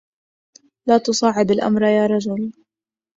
لا تصعّب الأمر يا رجل.